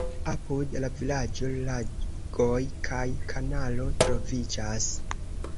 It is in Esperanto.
Apud la vilaĝo lagoj kaj kanalo troviĝas.